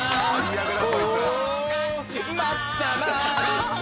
やめろ。